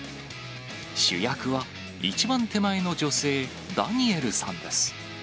主役は、一番手前の女性、ダニエルさんです。